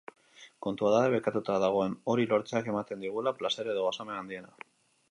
Kontua da, debekatuta dagoen hori lortzeak ematen digula plazer edo gozamen handiena.